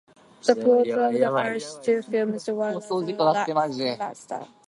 The plots of the first two films were rather lackluster.